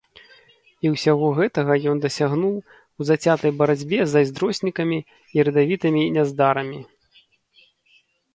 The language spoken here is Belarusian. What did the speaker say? І ўсяго гэтага ён дасягнуў у зацятай барацьбе з зайздроснікамі і радавітымі няздарамі.